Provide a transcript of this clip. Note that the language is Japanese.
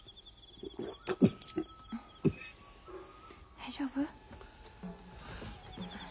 大丈夫？